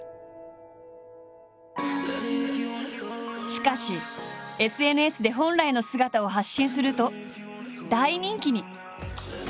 しかしＳＮＳで本来の姿を発信すると大人気に。